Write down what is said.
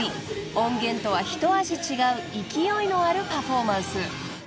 ［音源とは一味違う勢いのあるパフォーマンス］